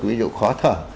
ví dụ khó thở